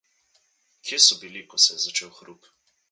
Kje so bili, ko se je začel hrup?